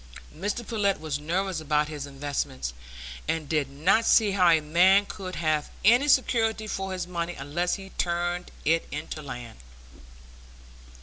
Mr Pullet was nervous about his investments, and did not see how a man could have any security for his money unless he turned it into land.